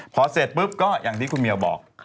พอเสร็จปุ๊บก็อย่างที่คุณเมียวบอก